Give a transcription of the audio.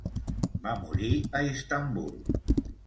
Va morir a Istanbul.